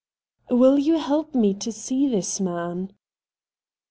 ' Will you help me to see this man